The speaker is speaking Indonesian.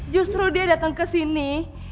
justru dia datang kesini